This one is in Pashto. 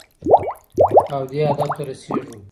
او دې هدف ته رسېږو.